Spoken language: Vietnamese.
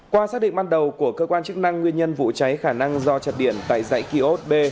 qua xác định ban đầu của cơ quan chức năng nguyên nhân vụ cháy khả năng do chập điện tại dãy kiosk b